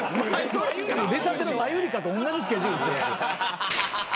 出たてのマユリカとおんなじスケジュール。